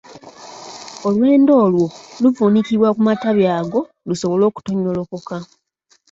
Olwendo olwo luvuunikibwa ku matabi ago lusobole okutonnyolokoka.